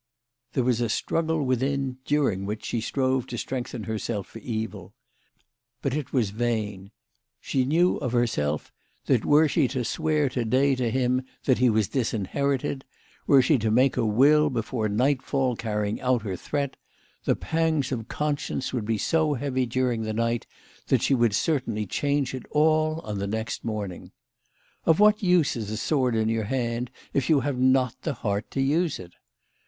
There was a struggle within, during which she strove to strengthen herself for evil. But it was vain. She knew of herself that were she to swear to day to him that he was disinherited, were she to make a will before night fall carrying out her threat, the pangs of conscience would be so heavy during the night that she would certainly change it all on the next morning. Of what use is a sword in your hand if you have not the heart to use it